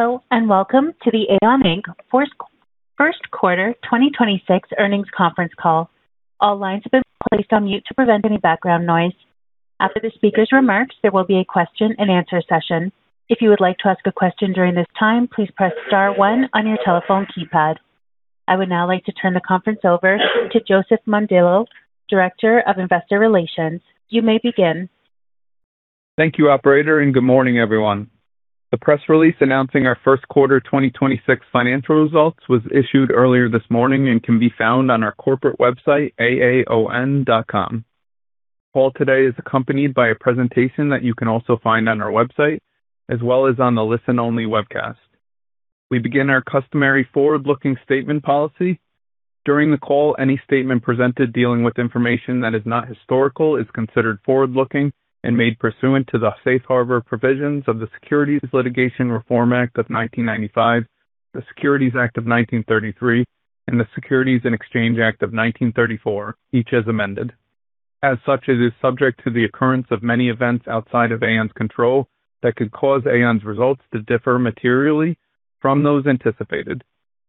Hello, and welcome to the AAON, Inc. first quarter 2026 earnings conference call. All lines have been placed on mute to prevent any background noise. After the speaker's remarks, there will be a question-and-answer session. If you would like to ask a question during this time, please press star one on your telephone keypad. I would now like to turn the conference over to Joseph Mondillo, Director of Investor Relations. You may begin. Thank you, operator, and good morning, everyone. The press release announcing our first quarter 2026 financial results was issued earlier this morning and can be found on our corporate website, aaon.com. The call today is accompanied by a presentation that you can also find on our website, as well as on the listen-only webcast. We begin our customary forward-looking statement policy. During the call, any statement presented dealing with information that is not historical is considered forward-looking and made pursuant to the Safe Harbor Provisions of the Private Securities Litigation Reform Act of 1995, the Securities Act of 1933, and the Securities Exchange Act of 1934, each as amended. As such, it is subject to the occurrence of many events outside of AAON's control that could cause AAON's results to differ materially from those anticipated.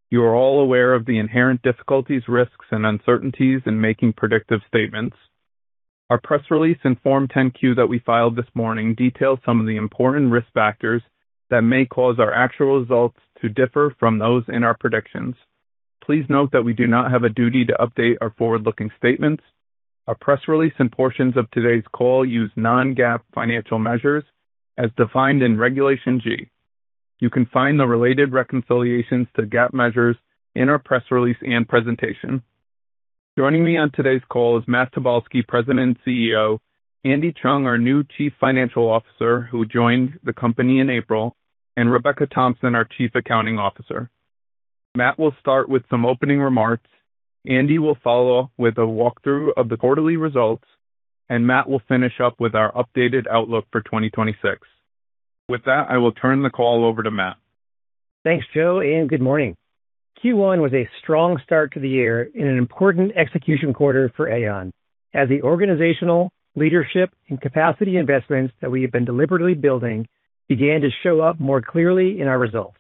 You are all aware of the inherent difficulties, risks, and uncertainties in making predictive statements. Our press release and Form 10-Q that we filed this morning detail some of the important risk factors that may cause our actual results to differ from those in our predictions. Please note that we do not have a duty to update our forward-looking statements. Our press release and portions of today's call use non-GAAP financial measures as defined in Regulation G. You can find the related reconciliations to GAAP measures in our press release and presentation. Joining me on today's call is Matt Tobolski, President and CEO; Andy Cheung, our new Chief Financial Officer, who joined the company in April; and Rebecca Thompson, our Chief Accounting Officer. Matt will start with some opening remarks, Andy will follow with a walkthrough of the quarterly results, and Matt will finish up with our updated outlook for 2026. With that, I will turn the call over to Matt. Thanks, Joe, and good morning. Q1 was a strong start to the year and an important execution quarter for AAON as the organizational leadership and capacity investments that we have been deliberately building began to show up more clearly in our results.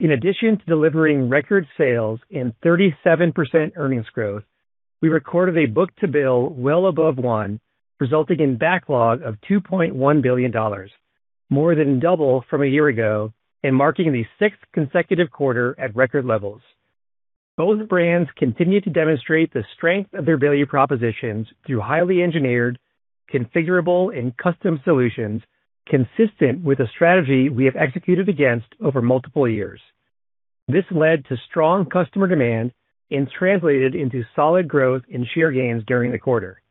In addition to delivering record sales and 37% earnings growth, we recorded a book-to-bill well above one, resulting in backlog of $2.1 billion, more than double from a year ago and marking the sixth consecutive quarter at record levels. Both brands continue to demonstrate the strength of their value propositions through highly engineered, configurable, and custom solutions consistent with the strategy we have executed against over multiple years. This led to strong customer demand and translated into solid growth and share gains during the quarter.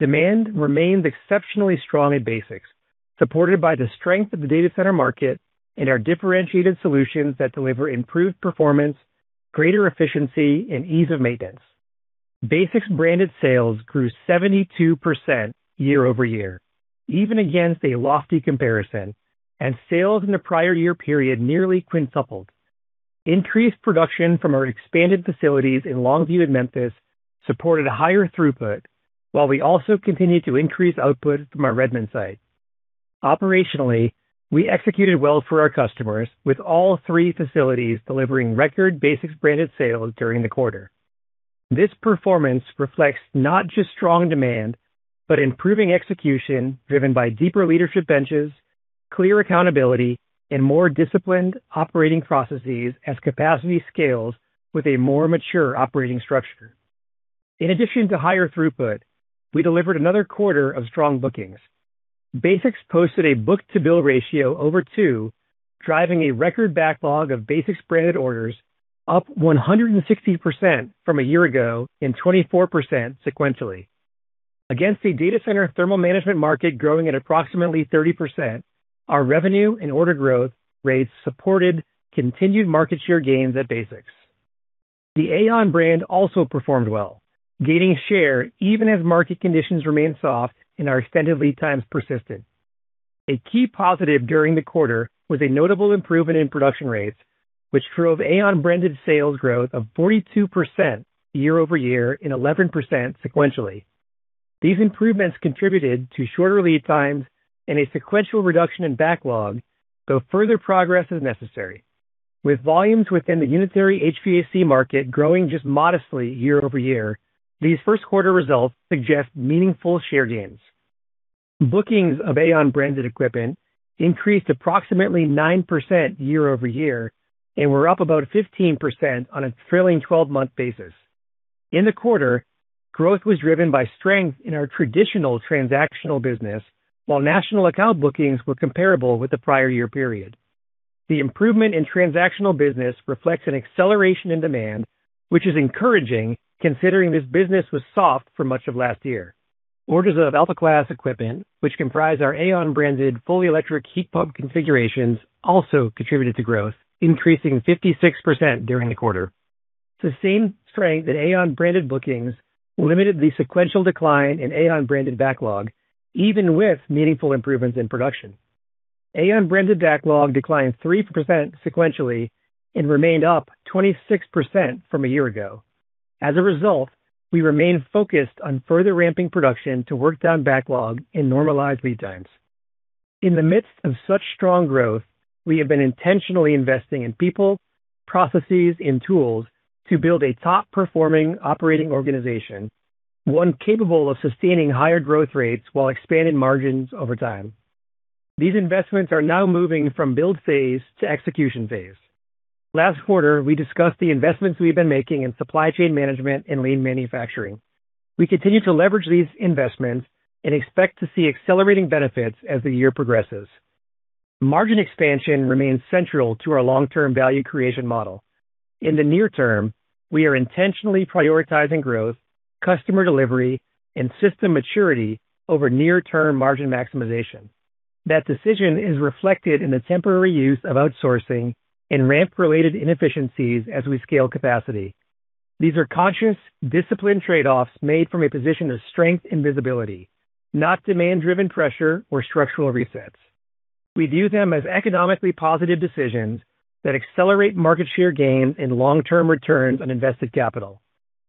Demand remained exceptionally strong at BASX, supported by the strength of the data center market and our differentiated solutions that deliver improved performance, greater efficiency, and ease of maintenance. BASX-branded sales grew 72% year-over-year, even against a lofty comparison, and sales in the prior year period nearly 5x. Increased production from our expanded facilities in Longview and Memphis supported a higher throughput, while we also continued to increase output from our Redmond site. Operationally, we executed well for our customers with all three facilities delivering record BASX-branded sales during the quarter. This performance reflects not just strong demand, but improving execution driven by deeper leadership benches, clear accountability, and more disciplined operating processes as capacity scales with a more mature operating structure. In addition to higher throughput, we delivered another quarter of strong bookings. BASX posted a book-to-bill ratio over two, driving a record backlog of BASX-branded orders up 160% from a year ago and 24% sequentially. Against the data center thermal management market growing at approximately 30%, our revenue and order growth rates supported continued market share gains at BASX. The AAON brand also performed well, gaining share even as market conditions remained soft and our extended lead times persisted. A key positive during the quarter was a notable improvement in production rates, which drove AAON-branded sales growth of 42% year-over-year and 11% sequentially. These improvements contributed to shorter lead times and a sequential reduction in backlog, though further progress is necessary. With volumes within the unitary HVAC market growing just modestly year-over-year, these first quarter results suggest meaningful share gains. Bookings of AAON-branded equipment increased approximately 9% year-over-year and were up about 15% on a trailing 12-month basis. In the quarter, growth was driven by strength in our traditional transactional business, while national account bookings were comparable with the prior year period. The improvement in transactional business reflects an acceleration in demand, which is encouraging considering this business was soft for much of last year. Orders of Alpha Class equipment, which comprise our AAON-branded fully electric heat pump configurations, also contributed to growth, increasing 56% during the quarter. The same strength in AAON-branded bookings limited the sequential decline in AAON-branded backlog, even with meaningful improvements in production. AAON-branded backlog declined 3% sequentially and remained up 26% from a year ago. As a result, we remain focused on further ramping production to work down backlog and normalize lead times. In the midst of such strong growth, we have been intentionally investing in people, processes, and tools to build a top-performing operating organization, one capable of sustaining higher growth rates while expanding margins over time. These investments are now moving from build phase to execution phase. Last quarter, we discussed the investments we've been making in supply chain management and lean manufacturing. We continue to leverage these investments and expect to see accelerating benefits as the year progresses. Margin expansion remains central to our long-term value creation model. In the near term, we are intentionally prioritizing growth, customer delivery, and system maturity over near-term margin maximization. That decision is reflected in the temporary use of outsourcing and ramp-related inefficiencies as we scale capacity. These are conscious, disciplined trade-offs made from a position of strength and visibility, not demand-driven pressure or structural resets. We view them as economically positive decisions that accelerate market share gains and long-term returns on invested capital.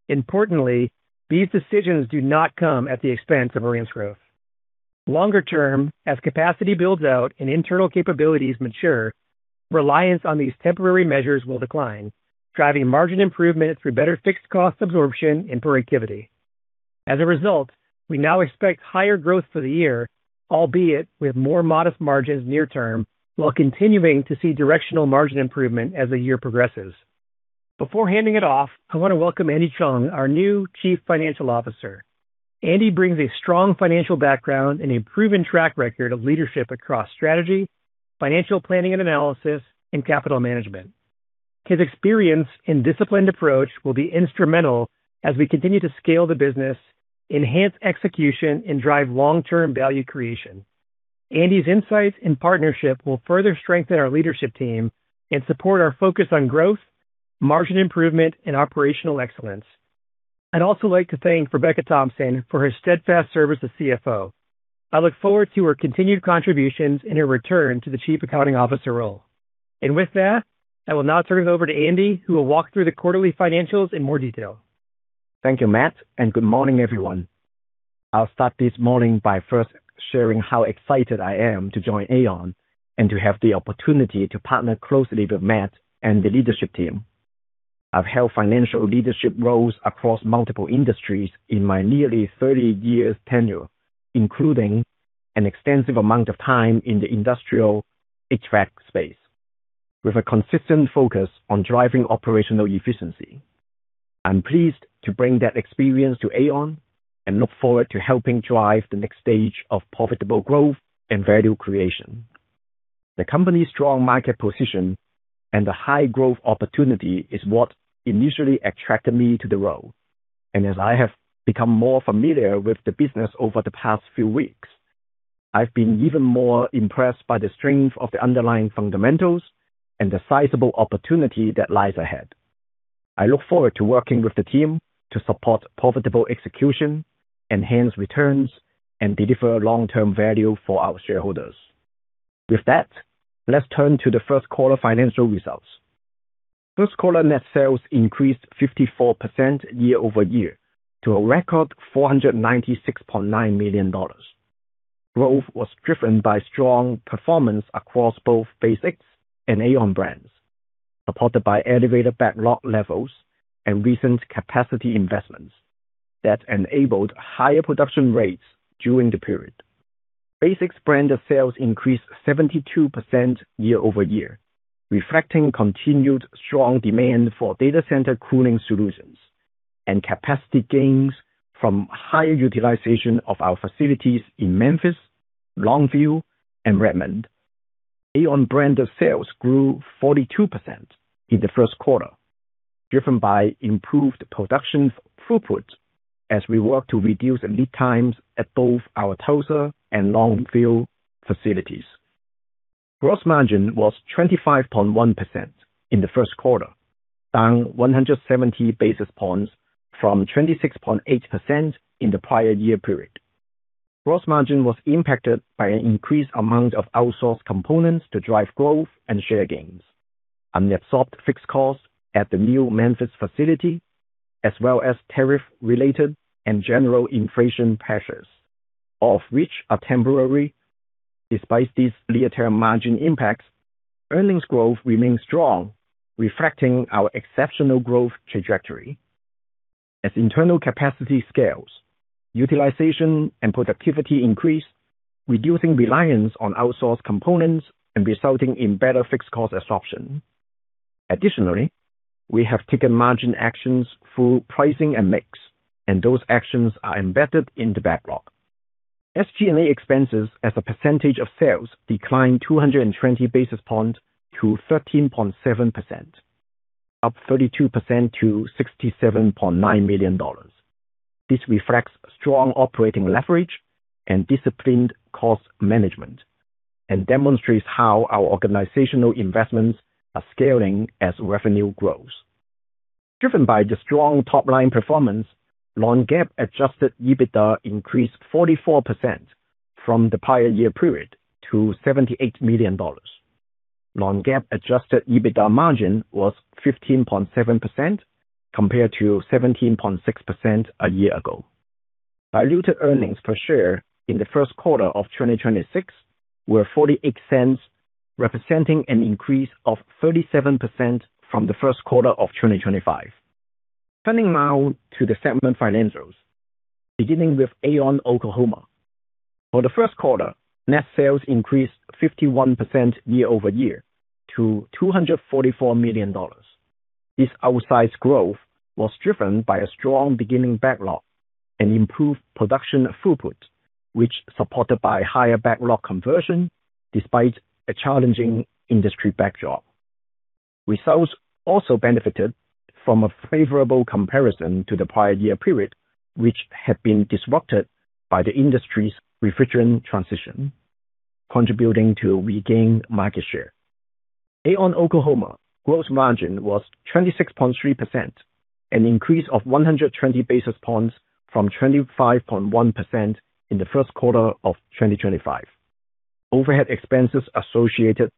Importantly, these decisions do not come at the expense of AAON's growth. Longer term, as capacity builds out and internal capabilities mature, reliance on these temporary measures will decline, driving margin improvement through better fixed cost absorption and productivity. As a result, we now expect higher growth for the year, albeit with more modest margins near term, while continuing to see directional margin improvement as the year progresses. Before handing it off, I want to welcome Andy Cheung, our new Chief Financial Officer. Andy brings a strong financial background and a proven track record of leadership across strategy, financial planning and analysis, and capital management. His experience and disciplined approach will be instrumental as we continue to scale the business, enhance execution, and drive long-term value creation. Andy's insights and partnership will further strengthen our leadership team and support our focus on growth, margin improvement, and operational excellence. I'd also like to thank Rebecca Thompson for her steadfast service as CFO. I look forward to her continued contributions and her return to the Chief Accounting Officer role. With that, I will now turn it over to Andy, who will walk through the quarterly financials in more detail. Thank you, Matt, and good morning, everyone. I'll start this morning by first sharing how excited I am to join AAON and to have the opportunity to partner closely with Matt and the leadership team. I've held financial leadership roles across multiple industries in my nearly 30 years tenure, including an extensive amount of time in the industrial HVAC space with a consistent focus on driving operational efficiency. I'm pleased to bring that experience to AAON and look forward to helping drive the next stage of profitable growth and value creation. The company's strong market position and the high growth opportunity is what initially attracted me to the role. As I have become more familiar with the business over the past few weeks, I've been even more impressed by the strength of the underlying fundamentals and the sizable opportunity that lies ahead. I look forward to working with the team to support profitable execution, enhance returns, and deliver long-term value for our shareholders. With that, let's turn to the first quarter financial results. First quarter net sales increased 54% year-over-year to a record $496.9 million. Growth was driven by strong performance across both BASX and AAON brands, supported by elevated backlog levels and recent capacity investments that enabled higher production rates during the period. BASX brand of sales increased 72% year-over-year, reflecting continued strong demand for data center cooling solutions and capacity gains from higher utilization of our facilities in Memphis, Longview, and Redmond. AAON brand of sales grew 42% in the first quarter, driven by improved production throughput as we work to reduce lead times at both our Tulsa and Longview facilities. Gross margin was 25.1% in the first quarter, down 170 basis points from 26.8% in the prior year period. Gross margin was impacted by an increased amount of outsourced components to drive growth and share gains, unabsorbed fixed costs at the new Memphis facility, as well as tariff-related and general inflation pressures, all of which are temporary. Despite these near-term margin impacts, earnings growth remains strong, reflecting our exceptional growth trajectory. As internal capacity scales, utilization and productivity increase, reducing reliance on outsourced components and resulting in better fixed cost absorption. Additionally, we have taken margin actions through pricing and mix, and those actions are embedded in the backlog. SG&A expenses as a percentage of sales declined 220 basis points to 13.7%, up 32% to $67.9 million. This reflects strong operating leverage and disciplined cost management and demonstrates how our organizational investments are scaling as revenue grows. Driven by the strong top-line performance, non-GAAP adjusted EBITDA increased 44% from the prior year period to $78 million. Non-GAAP adjusted EBITDA margin was 15.7% compared to 17.6% a year ago. Diluted earnings per share in the first quarter of 2026 were $0.48, representing an increase of 37% from the first quarter of 2025. Turning now to the segment financials, beginning with AAON Oklahoma. For the first quarter, net sales increased 51% year-over-year to $244 million. This outsized growth was driven by a strong beginning backlog and improved production throughput, which supported by higher backlog conversion despite a challenging industry backdrop. Results also benefited from a favorable comparison to the prior year period, which had been disrupted by the industry's refrigerant transition, contributing to regained market share. AAON Oklahoma gross margin was 26.3%, an increase of 120 basis points from 25.1% in the first quarter of 2025. Overhead expenses associated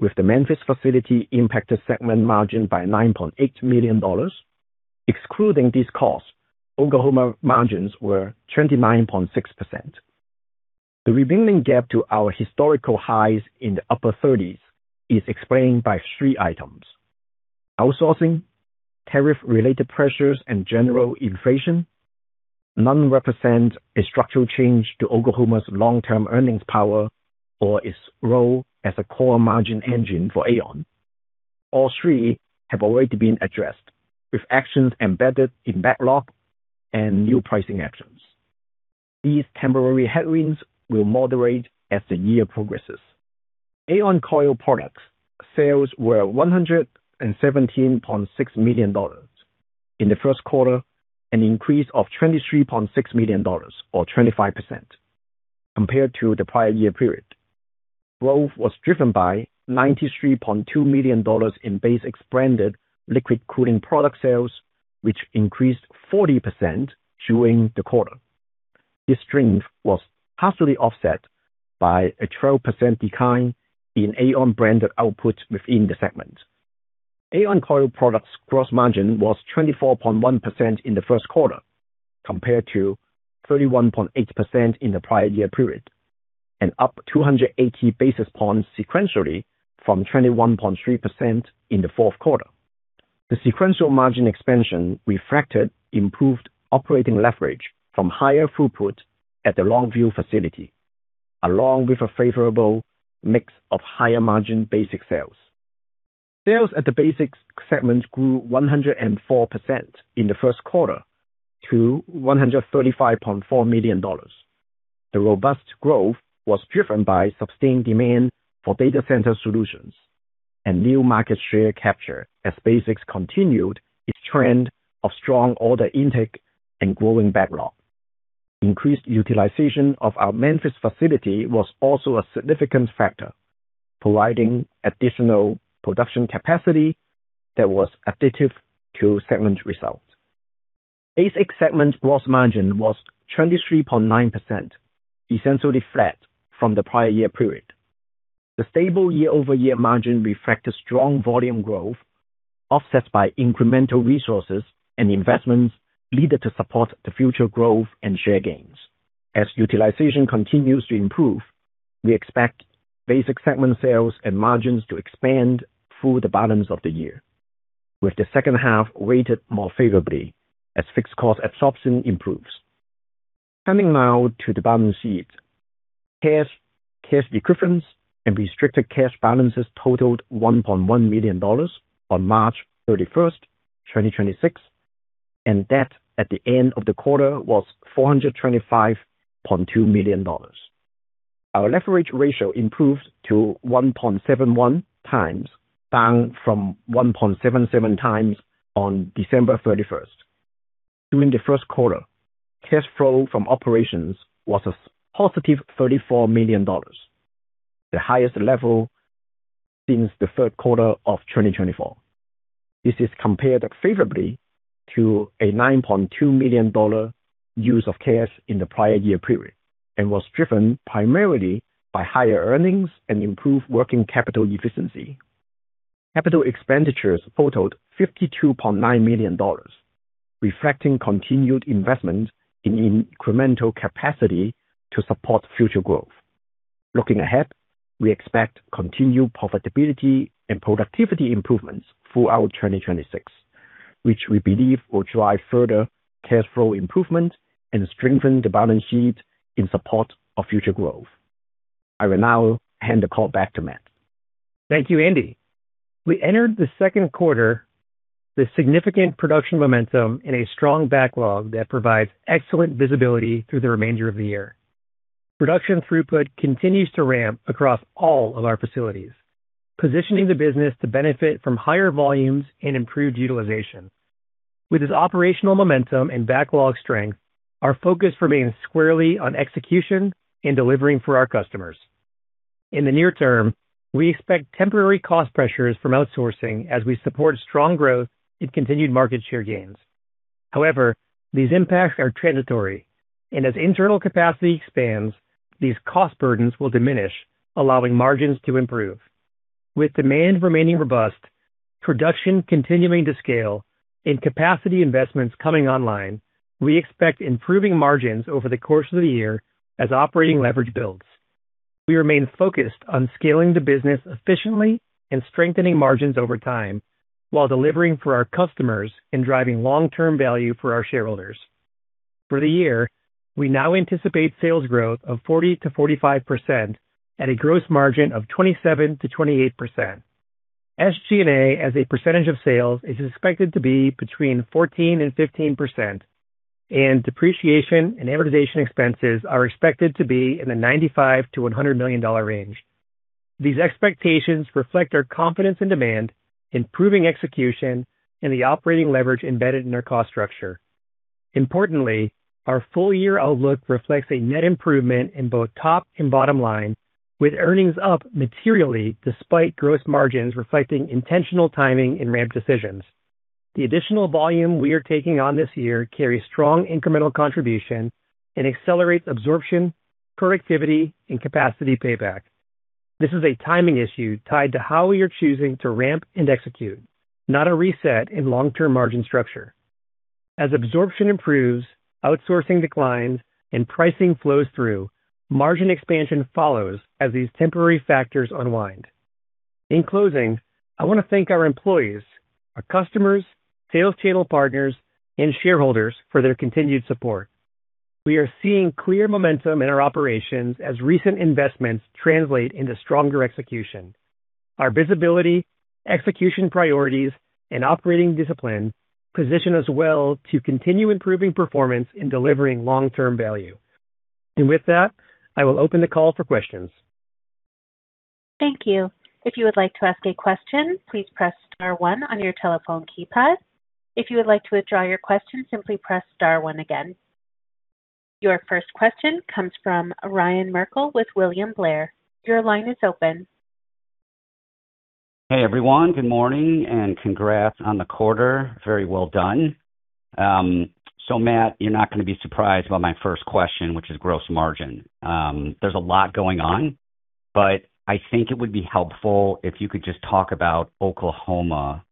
with the Memphis facility impacted segment margin by $9.8 million. Excluding these costs, Oklahoma margins were 29.6%. The remaining gap to our historical highs in the upper 30 is explained by three items: outsourcing, tariff-related pressures, and general inflation. None represent a structural change to Oklahoma's long-term earnings power or its role as a core margin engine for AAON. All three have already been addressed with actions embedded in backlog and new pricing actions. These temporary headwinds will moderate as the year progresses. AAON Coil Products sales were $117.6 million in the first quarter, an increase of $23.6 million or 25% compared to the prior year period. Growth was driven by $93.2 million in BASX branded liquid cooling product sales, which increased 40% during the quarter. This strength was partially offset by a 12% decline in AAON branded output within the segment. AAON Coil Products gross margin was 24.1% in the first quarter compared to 31.8% in the prior year period, up 280 basis points sequentially from 21.3% in the fourth quarter. The sequential margin expansion reflected improved operating leverage from higher throughput at the Longview facility, along with a favorable mix of higher margin BASX sales. Sales at the BASX segment grew 104% in the first quarter to $135.4 million. The robust growth was driven by sustained demand for data center solutions and new market share capture as BASX continued its trend of strong order intake and growing backlog. Increased utilization of our Memphis facility was also a significant factor, providing additional production capacity that was additive to segment results. BASX segment gross margin was 23.9%, essentially flat from the prior year period. The stable year-over-year margin reflected strong volume growth, offset by incremental resources and investments needed to support the future growth and share gains. As utilization continues to improve, we expect BASX segment sales and margins to expand through the balance of the year, with the second half weighted more favorably as fixed cost absorption improves. Turning now to the balance sheet. Cash, cash equivalents, and restricted cash balances totaled $1.1 million on March 31, 2026, and debt at the end of the quarter was $425.2 million. Our leverage ratio improved to 1.71x, down from 1.77x on December 31. During the first quarter, cash flow from operations was a +$34 million, the highest level since the third quarter of 2024. This is compared favorably to a $9.2 million use of cash in the prior year period and was driven primarily by higher earnings and improved working capital efficiency. Capital expenditures totaled $52.9 million, reflecting continued investment in incremental capacity to support future growth. Looking ahead, we expect continued profitability and productivity improvements throughout 2026, which we believe will drive further cash flow improvement and strengthen the balance sheet in support of future growth. I will now hand the call back to Matt. Thank you, Andy. We entered the second quarter with significant production momentum and a strong backlog that provides excellent visibility through the remainder of the year. Production throughput continues to ramp across all of our facilities, positioning the business to benefit from higher volumes and improved utilization. With this operational momentum and backlog strength, our focus remains squarely on execution and delivering for our customers. In the near term, we expect temporary cost pressures from outsourcing as we support strong growth and continued market share gains. These impacts are transitory, and as internal capacity expands, these cost burdens will diminish, allowing margins to improve. With demand remaining robust, production continuing to scale, and capacity investments coming online, we expect improving margins over the course of the year as operating leverage builds. We remain focused on scaling the business efficiently and strengthening margins over time while delivering for our customers and driving long-term value for our shareholders. For the year, we now anticipate sales growth of 40%-45% at a gross margin of 27%-28%. SG&A as a percentage of sales is expected to be between 14% and 15%, and depreciation and amortization expenses are expected to be in the $95 million-$100 million range. These expectations reflect our confidence in demand, improving execution, and the operating leverage embedded in our cost structure. Importantly, our full year outlook reflects a net improvement in both top and bottom line, with earnings up materially despite gross margins reflecting intentional timing and ramp decisions. The additional volume we are taking on this year carries strong incremental contribution and accelerates absorption, productivity, and capacity payback. This is a timing issue tied to how we are choosing to ramp and execute, not a reset in long-term margin structure. As absorption improves, outsourcing declines, and pricing flows through, margin expansion follows as these temporary factors unwind. In closing, I want to thank our employees, our customers, sales channel partners, and shareholders for their continued support. We are seeing clear momentum in our operations as recent investments translate into stronger execution. Our visibility, execution priorities, and operating discipline position us well to continue improving performance in delivering long-term value. With that, I will open the call for questions. Thank you. If you would like to ask a question, please press star one on your telephone keypad. If you would like to withdraw your question, simply press star one again. Your first question comes from Ryan Merkel with William Blair. Your line is open. Hey everyone. Good morning and congrats on the quarter. Very well done. Matt, you're not going to be surprised by my first question, which is gross margin. There's a lot going on, but I think it would be helpful if you could just talk about Oklahoma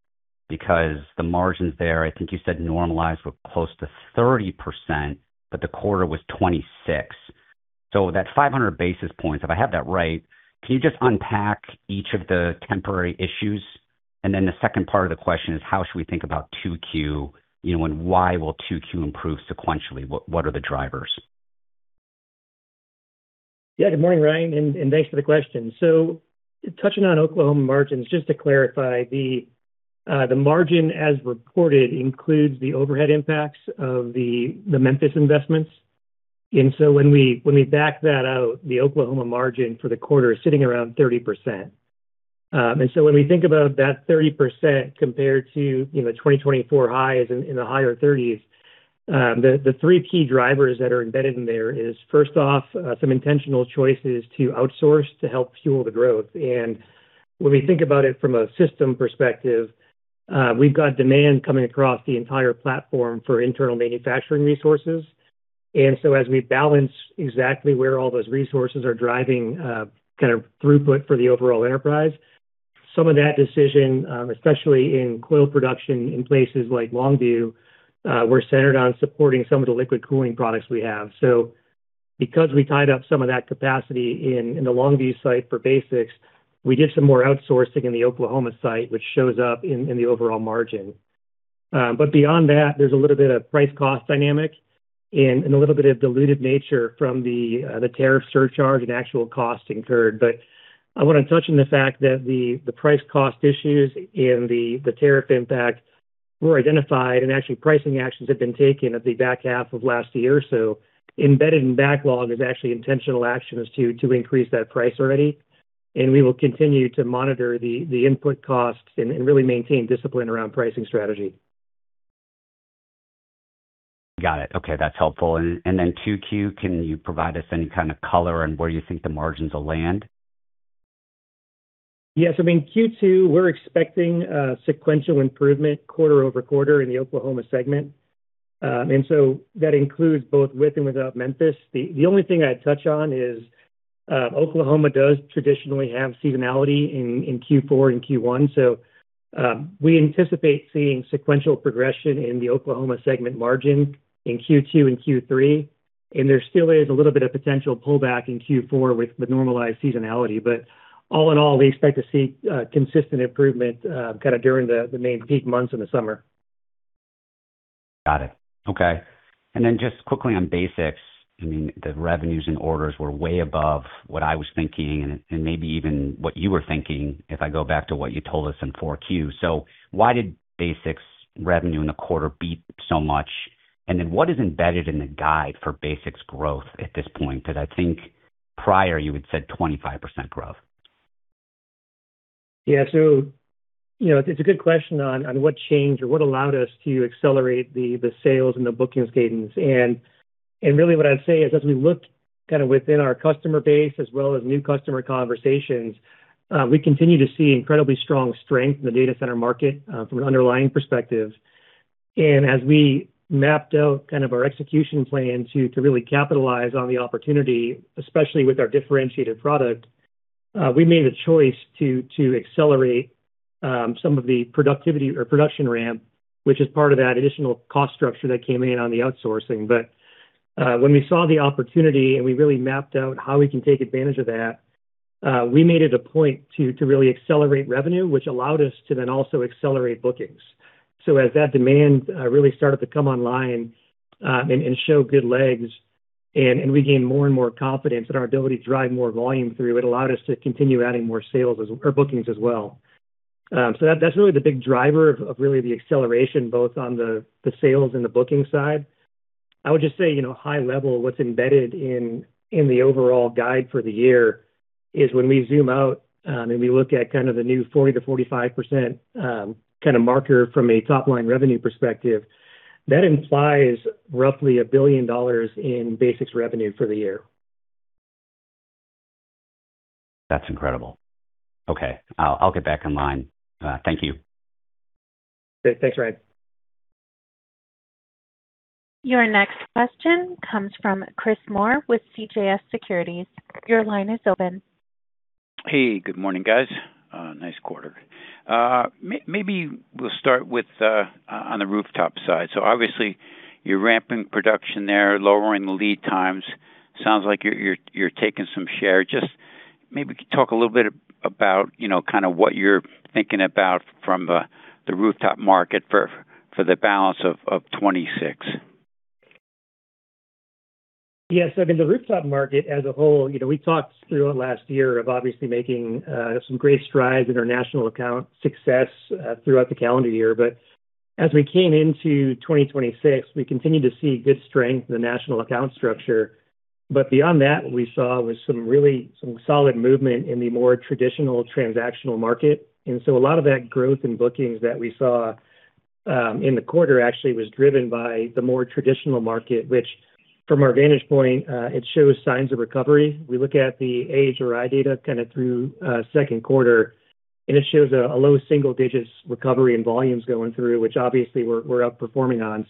because the margins there, I think you said normalized were close to 30%, but the quarter was 26%. That 500 basis points, if I have that right, can you just unpack each of the temporary issues? Then the second part of the question is how should we think about 2Q? You know, why will 2Q improve sequentially? What are the drivers? Yeah. Good morning, Ryan, and thanks for the question. Touching on Oklahoma margins, just to clarify, the margin as reported includes the overhead impacts of the Memphis investments. When we back that out, the Oklahoma margin for the quarter is sitting around 30%. When we think about that 30% compared to, you know, 2024 highs in the higher 30s, the three key drivers that are embedded in there is, first off, some intentional choices to outsource to help fuel the growth. When we think about it from a system perspective, we've got demand coming across the entire platform for internal manufacturing resources. As we balance exactly where all those resources are driving, kind of throughput for the overall enterprise, some of that decision, especially in coil production in places like Longview, we're centered on supporting some of the liquid cooling products we have. Because we tied up some of that capacity in the Longview site for BASX, we did some more outsourcing in the Oklahoma site, which shows up in the overall margin. Beyond that, there's a little bit of price-cost dynamic and a little bit of diluted nature from the tariff surcharge and actual cost incurred. I want to touch on the fact that the price cost issues and the tariff impact were identified and actually pricing actions have been taken at the back half of last year. Embedded in backlog is actually intentional actions to increase that price already, and we will continue to monitor the input costs and really maintain discipline around pricing strategy. Got it. Okay, that's helpful. 2Q, can you provide us any kind of color on where you think the margins will land? Yes. I mean, Q2, we're expecting a sequential improvement quarter-over-quarter in the Oklahoma Segment. That includes both with and without Memphis. The only thing I'd touch on is Oklahoma does traditionally have seasonality in Q4 and Q1, so we anticipate seeing sequential progression in the Oklahoma Segment margin in Q2 and Q3. There still is a little bit of potential pullback in Q4 with the normalized seasonality. All in all, we expect to see consistent improvement kind of during the main peak months in the summer. Got it. Okay. Just quickly on BASX, I mean, the revenues and orders were way above what I was thinking and maybe even what you were thinking, if I go back to what you told us in Q4. Why did BASX revenue in the quarter beat so much? What is embedded in the guide for BASX growth at this point? I think prior you had said 25% growth. Yeah. You know, it's a good question on what changed or what allowed us to accelerate the sales and the bookings cadence. Really what I'd say is as we looked kind of within our customer base as well as new customer conversations, we continue to see incredibly strong strength in the data center market from an underlying perspective. As we mapped out kind of our execution plan to really capitalize on the opportunity, especially with our differentiated product, we made a choice to accelerate some of the productivity or production ramp, which is part of that additional cost structure that came in on the outsourcing. When we saw the opportunity and we really mapped out how we can take advantage of that, we made it a point to really accelerate revenue, which allowed us to then also accelerate bookings. As that demand really started to come online, and show good legs and we gained more and more confidence in our ability to drive more volume through, it allowed us to continue adding more sales or bookings as well. That's really the big driver of really the acceleration both on the sales and the booking side. I would just say, you know, high level, what's embedded in the overall guide for the year is when we zoom out, we look at kind of the new 40%-45% kind of marker from a top-line revenue perspective, that implies roughly $1 billion in BASX revenue for the year. That's incredible. Okay. I'll get back in line. Thank you. Thanks, Ryan. Your next question comes from Chris Moore with CJS Securities. Your line is open. Hey, good morning, guys. Nice quarter. Maybe we'll start with on the rooftop side. Obviously you're ramping production there, lowering the lead times. Sounds like you're taking some share. Just maybe you could talk a little bit about, you know, kind of what you're thinking about from the rooftop market for the balance of 2026. Yes. I mean, the rooftop market as a whole, you know, we talked through it last year of obviously making some great strides in our national account success throughout the calendar year. As we came into 2026, we continued to see good strength in the national account structure. Beyond that, what we saw was some solid movement in the more traditional transactional market. A lot of that growth in bookings that we saw in the quarter actually was driven by the more traditional market, which from our vantage point, it shows signs of recovery. We look at the AHRI data kind of through second quarter, and it shows a low single digits recovery and volumes going through, which obviously we're outperforming on.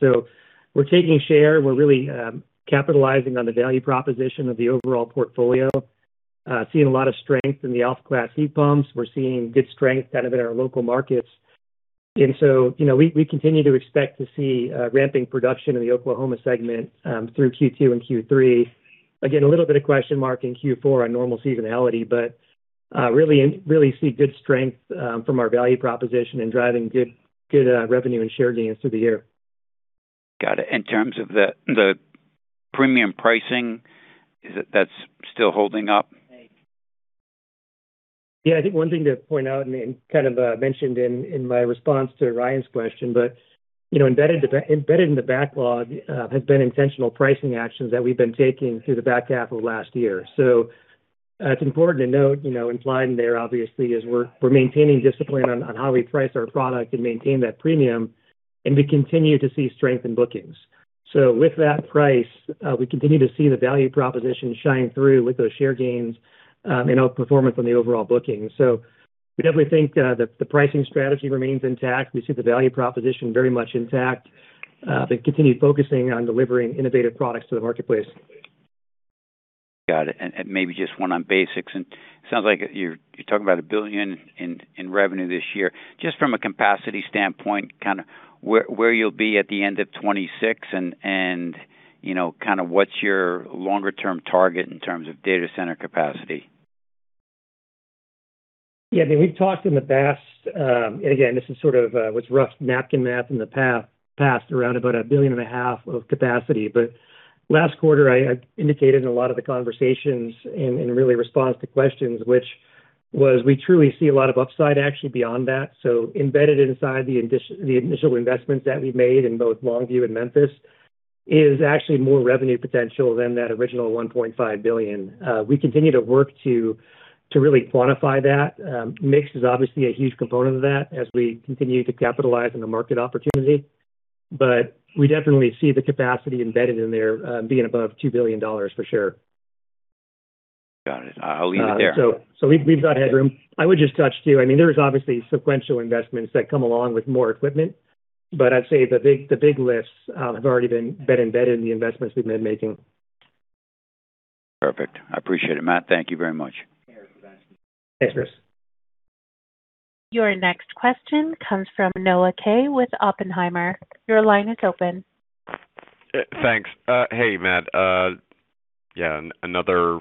We're taking share. We're really capitalizing on the value proposition of the overall portfolio. Seeing a lot of strength in the Alpha Class heat pumps. We're seeing good strength kind of in our local markets. You know, we continue to expect to see ramping production in the Oklahoma segment through Q2 and Q3. Again, a little bit of question mark in Q4 on normal seasonality, really see good strength from our value proposition and driving good revenue and share gains through the year. Got it. In terms of the premium pricing, is it that's still holding up? Yeah. I think one thing to point out, mentioned in my response to Ryan's question, you know, embedded in the backlog has been intentional pricing actions that we've been taking through the back half of last year. It's important to note, you know, implied in there obviously is we're maintaining discipline on how we price our product and maintain that premium, we continue to see strength in bookings. With that price, we continue to see the value proposition shine through with those share gains, outperformance on the overall bookings. We definitely think the pricing strategy remains intact. We see the value proposition very much intact, continue focusing on delivering innovative products to the marketplace. Got it. Maybe just one on BASX. Sounds like you're talking about $1 billion in revenue this year. Just from a capacity standpoint, kind of where you'll be at the end of 2026, and, you know, kind of what's your longer-term target in terms of data center capacity? Yeah. I mean, we've talked in the past, again, this is sort of what's rough napkin math in the past around about $1.5 billion of capacity. Last quarter, I indicated in a lot of the conversations, in really response to questions, which was we truly see a lot of upside actually beyond that. Embedded inside the initial investments that we made in both Longview and Memphis is actually more revenue potential than that original $1.5 billion. We continue to work to really quantify that. Mix is obviously a huge component of that as we continue to capitalize on the market opportunity. We definitely see the capacity embedded in there, being above $2 billion for sure. Got it. I'll leave it there. We've got headroom. I would just touch too. I mean, there's obviously sequential investments that come along with more equipment, but I'd say the big lifts have already been embedded in the investments we've been making. Perfect. I appreciate it, Matt. Thank you very much. Thanks, Chris. Your next question comes from Noah Kaye with Oppenheimer. Your line is open. Thanks. Hey, Matt. Yeah, another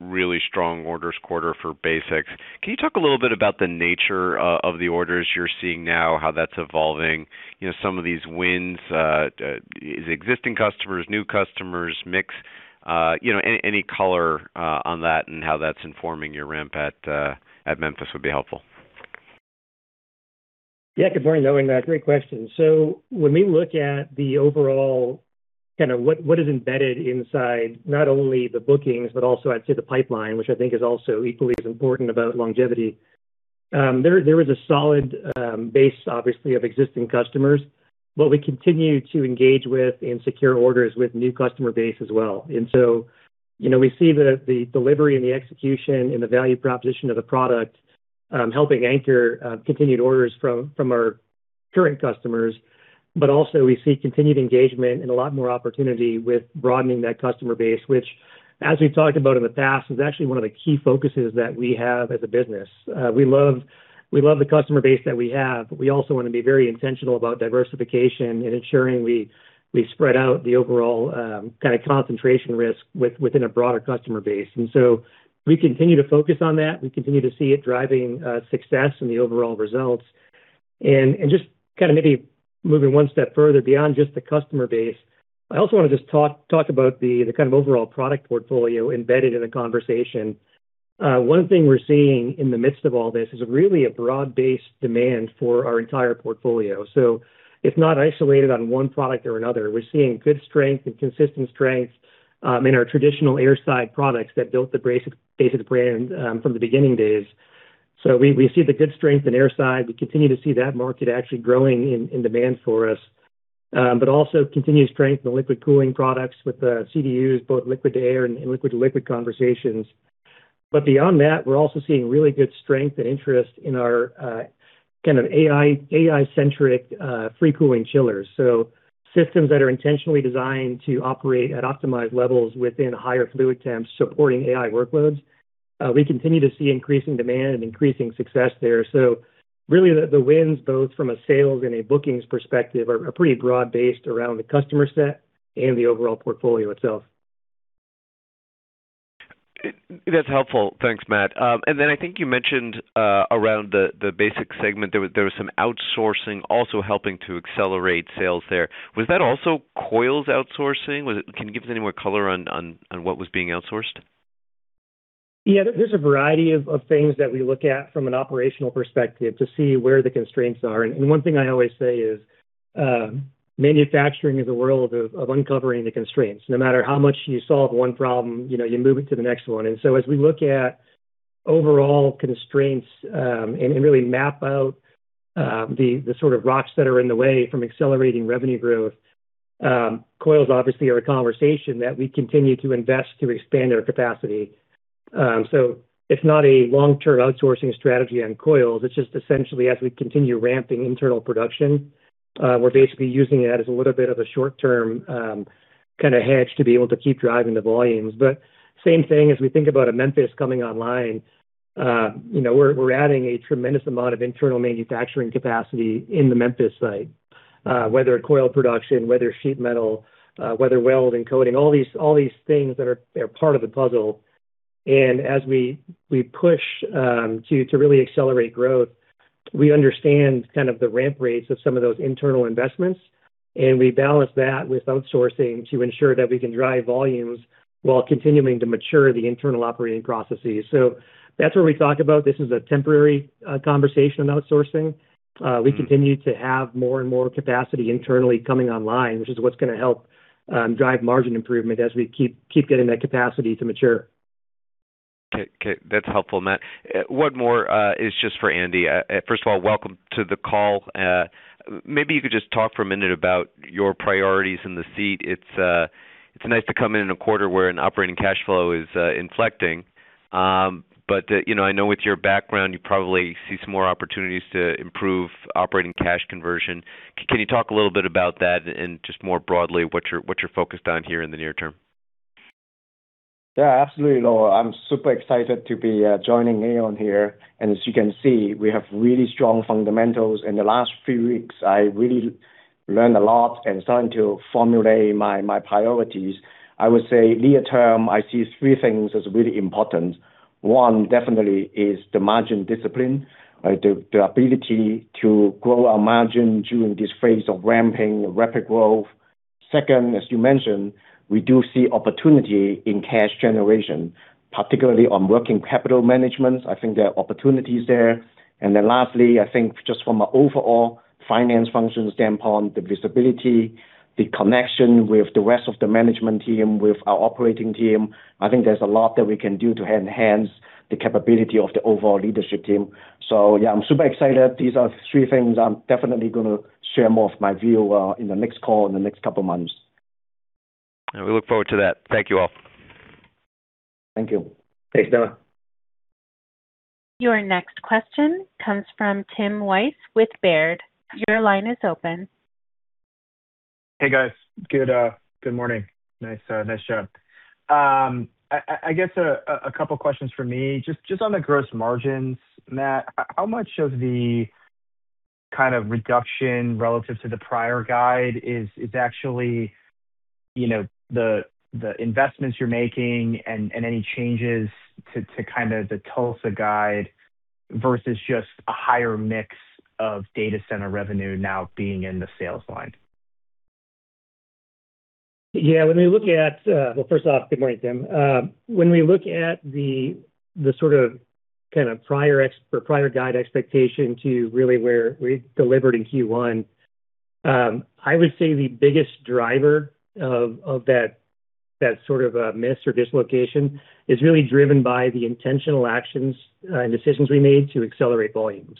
really strong orders quarter for BASX. Can you talk a little bit about the nature of the orders you're seeing now, how that's evolving? You know, some of these wins, is existing customers, new customers, mix? You know, any color on that and how that's informing your ramp at Memphis would be helpful. Yeah. Good morning, Noah. Great question. When we look at the overall kind of what is embedded inside not only the bookings, but also I'd say the pipeline, which I think is also equally as important about longevity. There is a solid base obviously of existing customers, but we continue to engage with and secure orders with new customer base as well. You know, we see the delivery and the execution and the value proposition of the product helping anchor continued orders from our current customers. Also we see continued engagement and a lot more opportunity with broadening that customer base, which as we've talked about in the past, is actually one of the key focuses that we have as a business. We love, we love the customer base that we have, but we also wanna be very intentional about diversification and ensuring we spread out the overall kind of concentration risk within a broader customer base. We continue to focus on that. We continue to see it driving success in the overall results. Just kind of maybe moving one step further beyond just the customer base, I also wanna just talk about the kind of overall product portfolio embedded in the conversation. One thing we're seeing in the midst of all this is really a broad-based demand for our entire portfolio. It's not isolated on one product or another. We're seeing good strength and consistent strength in our traditional air side products that built the basic brand from the beginning days. We see the good strength in air side. We continue to see that market actually growing in demand for us. But also continued strength in the liquid cooling products with the CDUs, both liquid to air and liquid to liquid conversations. Beyond that, we are also seeing really good strength and interest in our kind of AI-centric free cooling chillers. Systems that are intentionally designed to operate at optimized levels within higher fluid temps supporting AI workloads. We continue to see increasing demand and increasing success there. Really the wins both from a sales and a bookings perspective are pretty broad based around the customer set and the overall portfolio itself. That's helpful. Thanks, Matt. I think you mentioned around the BASX segment, there was some outsourcing also helping to accelerate sales there. Was that also coils outsourcing? Can you give us any more color on what was being outsourced? Yeah. There's a variety of things that we look at from an operational perspective to see where the constraints are. One thing I always say is, manufacturing is a world of uncovering the constraints. No matter how much you solve one problem, you know, you move it to the next one. As we look at overall constraints, and really map out, the sort of rocks that are in the way from accelerating revenue growth, coils obviously are a conversation that we continue to invest to expand our capacity. So it's not a long-term outsourcing strategy on coils. It's just essentially as we continue ramping internal production, we're basically using that as a little bit of a short-term, kind of hedge to be able to keep driving the volumes. Same thing as we think about a Memphis coming online, you know, we're adding a tremendous amount of internal manufacturing capacity in the Memphis site, whether coil production, whether sheet metal, whether weld and coating, all these things that are part of the puzzle. As we push to really accelerate growth, we understand kind of the ramp rates of some of those internal investments, and we balance that with outsourcing to ensure that we can drive volumes while continuing to mature the internal operating processes. That's where we talk about this is a temporary conversation on outsourcing. We continue to have more and more capacity internally coming online, which is what's gonna help drive margin improvement as we keep getting that capacity to mature. Okay. Okay. That's helpful, Matt. One more is just for Andy. First of all, welcome to the call. Maybe you could just talk for a minute about your priorities in the seat. It's nice to come in in a quarter where an operating cash flow is inflecting. You know, I know with your background, you probably see some more opportunities to improve operating cash conversion. Can you talk a little bit about that and just more broadly, what you're focused on here in the near term? Absolutely, Noah Kaye. I'm super excited to be joining AAON here. As you can see, we have really strong fundamentals. In the last few weeks, I really learned a lot and starting to formulate my priorities. I would say near term, I see three things as really important. One definitely is the margin discipline, the ability to grow our margin during this phase of ramping rapid growth. Second, as you mentioned, we do see opportunity in cash generation, particularly on working capital management. I think there are opportunities there. Lastly, I think just from an overall finance function standpoint, the visibility, the connection with the rest of the management team, with our operating team, I think there's a lot that we can do to enhance the capability of the overall leadership team. I'm super excited. These are three things I'm definitely gonna share more of my view, in the next call in the next couple of months. We look forward to that. Thank you all. Thank you. Thanks, Noah Kaye. Your next question comes from Tim Wojs with Baird. Hey, guys. Good, good morning. Nice, nice job. I guess a couple questions for me, just on the gross margins, Matt. How much of the kind of reduction relative to the prior guide is actually, you know, the investments you're making and any changes to kind of the Tulsa guide versus just a higher mix of data center revenue now being in the sales line? Yeah. Well, first off, good morning, Tim. When we look at the sort of, kind of prior guide expectation to really where we delivered in Q1, I would say the biggest driver of that sort of a miss or dislocation is really driven by the intentional actions and decisions we made to accelerate volumes.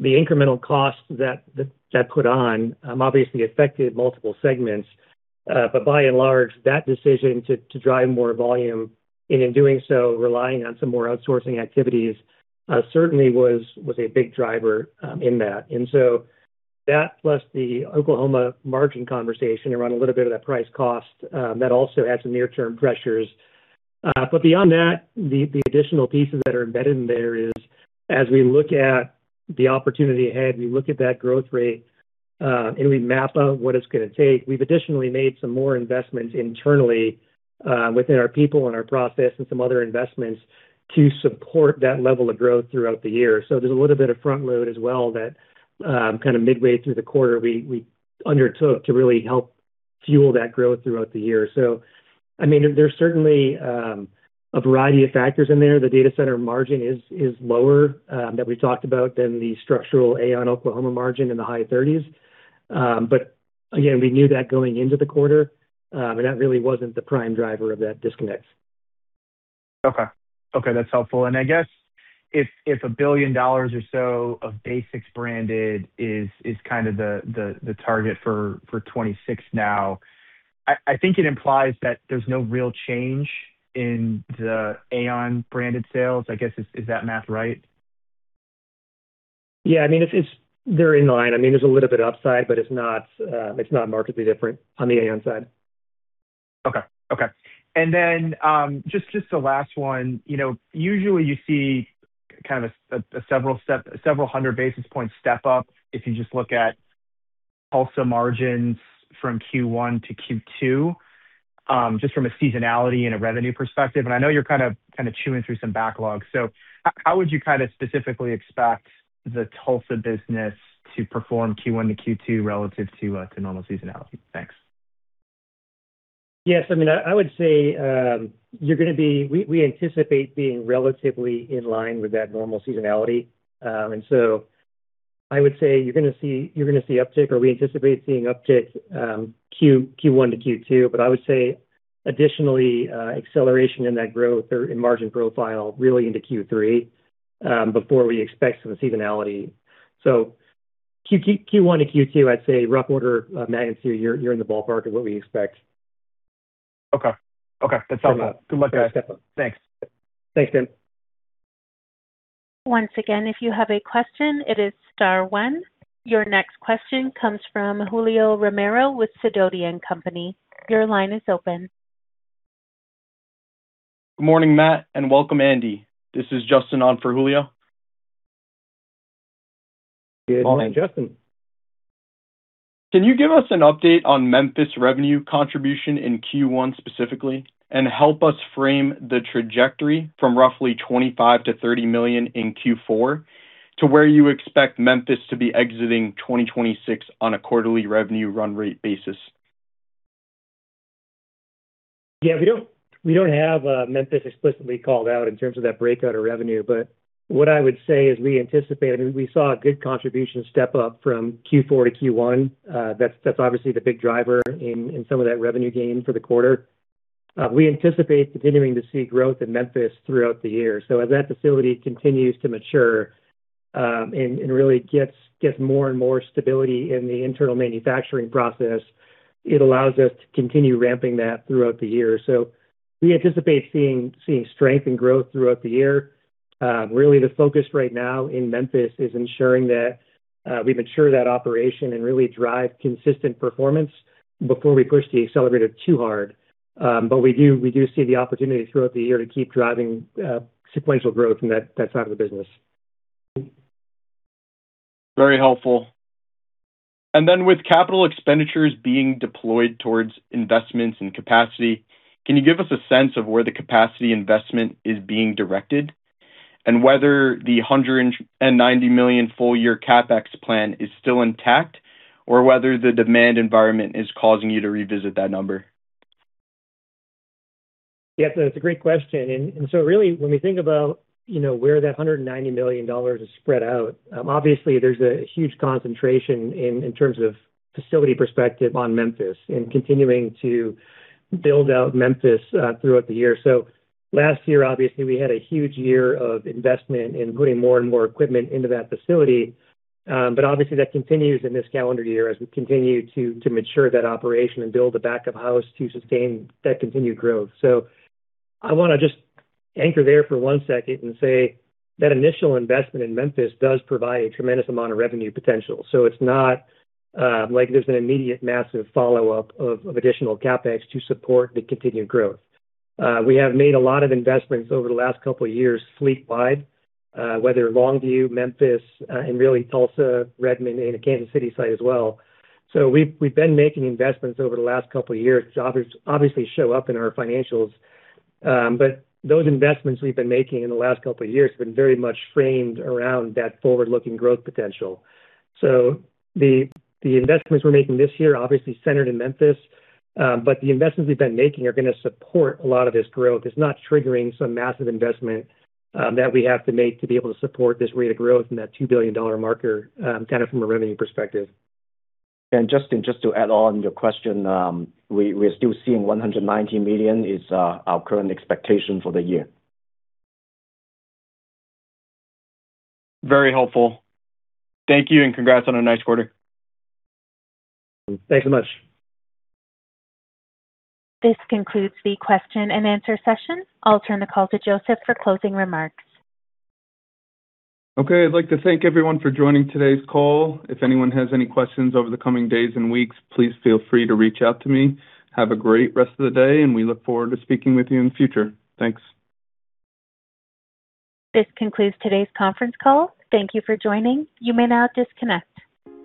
The incremental costs that put on obviously affected multiple segments. By and large, that decision to drive more volume, and in doing so, relying on some more outsourcing activities, certainly was a big driver in that. That plus the Oklahoma margin conversation around a little bit of that price cost that also had some near-term pressures. Beyond that, the additional pieces that are embedded in there is as we look at the opportunity ahead, we look at that growth rate, and we map out what it's gonna take. We've additionally made some more investments internally, within our people and our process and some other investments to support that level of growth throughout the year. There's a little bit of front load as well that, kind of midway through the quarter, we undertook to really help fuel that growth throughout the year. There's certainly a variety of factors in there. The data center margin is lower that we talked about than the structural AAON Oklahoma margin in the high 30s. Again, we knew that going into the quarter, and that really wasn't the prime driver of that disconnect. Okay. Okay, that's helpful. I guess if $1 billion or so of BASX branded is kind of the, the target for 2026 now, I think it implies that there's no real change in the AAON branded sales, I guess, is that math right? Yeah. I mean, it's They're in line. I mean, there's a little bit upside, but it's not, it's not markedly different on the AAON side. Okay. Okay. Then, just the last one. You know, usually you see kind of a several hundred basis points step up if you just look at Tulsa margins from Q1 to Q2, just from a seasonality and a revenue perspective, and I know you're kind of chewing through some backlog. How would you kind of specifically expect the Tulsa business to perform Q1 to Q2 relative to normal seasonality? Thanks. Yes. I mean, I would say, you're going to be, we anticipate being relatively in line with that normal seasonality. I would say you're going to see uptick or we anticipate seeing uptick, Q1 to Q2. I would say additionally, acceleration in that growth or in margin profile really into Q3, before we expect some seasonality. Q1 to Q2, I'd say rough order of magnitude, you're in the ballpark of what we expect. Okay. Okay. That's helpful. Sounds good. Good luck on the step up. Thanks. Thanks, Matt. Once again, if you have a question, it is star one. Your next question comes from Julio Romero with Sidoti & Company. Your line is open. Good morning, Matt, and welcome, Andy. This is Justin on for Julio. Good morning, Justin. Can you give us an update on Memphis revenue contribution in Q1 specifically, and help us frame the trajectory from roughly $25 million-$30 million in Q4 to where you expect Memphis to be exiting 2026 on a quarterly revenue run rate basis? Yeah. We don't have Memphis explicitly called out in terms of that breakout of revenue, but what I would say is I mean, we saw a good contribution step up from Q4 to Q1. That's obviously the big driver in some of that revenue gain for the quarter. We anticipate continuing to see growth in Memphis throughout the year. As that facility continues to mature, and really gets more and more stability in the internal manufacturing process, it allows us to continue ramping that throughout the year. We anticipate seeing strength and growth throughout the year. Really the focus right now in Memphis is ensuring that we mature that operation and really drive consistent performance before we push the accelerator too hard. We do see the opportunity throughout the year to keep driving sequential growth from that side of the business. Very helpful. With capital expenditures being deployed towards investments and capacity, can you give us a sense of where the capacity investment is being directed, and whether the $190 million full-year CapEx plan is still intact, or whether the demand environment is causing you to revisit that number? Yeah. That's a great question. Really when we think about, you know, where that $190 million is spread out, obviously there's a huge concentration in terms of facility perspective on Memphis and continuing to build out Memphis throughout the year. Last year, obviously, we had a huge year of investment in putting more and more equipment into that facility. Obviously that continues in this calendar year as we continue to mature that operation and build the backup house to sustain that continued growth. I wanna just anchor there for one second and say that initial investment in Memphis does provide a tremendous amount of revenue potential. It's not like there's an immediate massive follow-up of additional CapEx to support the continued growth. We have made a lot of investments over the last couple of years fleet-wide, whether Longview, Memphis, and really Tulsa, Redmond and the Kansas City site as well. We've been making investments over the last couple of years to obviously show up in our financials. Those investments we've been making in the last couple of years have been very much framed around that forward-looking growth potential. The investments we're making this year are obviously centered in Memphis, the investments we've been making are gonna support a lot of this growth. It's not triggering some massive investment that we have to make to be able to support this rate of growth and that $2 billion marker, kind of from a revenue perspective. Justin, just to add on your question, we're still seeing $190 million is our current expectation for the year. Very helpful. Thank you, and congrats on a nice quarter. Thanks so much. This concludes the question and answer session. I'll turn the call to Joseph for closing remarks. Okay. I'd like to thank everyone for joining today's call. If anyone has any questions over the coming days and weeks, please feel free to reach out to me. Have a great rest of the day, and we look forward to speaking with you in the future. Thanks. This concludes today's conference call. Thank you for joining. You may now disconnect.